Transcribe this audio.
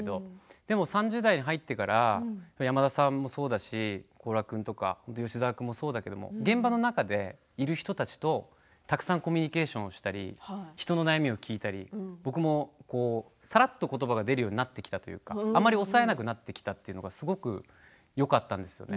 でも３０代に入ってから山田さんもそうだし高良君とか吉沢君もそうだけど現場の中でいる人たちとたくさんコミュニケーションをしたり人の悩みを聞いたり僕もさらっとことばが出るようになってきたというかあまり抑えなくなってきたというのはすごくよかったですね。